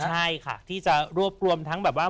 ใช่ค่ะที่จะรวบรวมทั้งแบบว่า